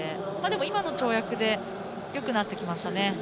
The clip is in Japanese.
今の跳躍でよくなってきましたね。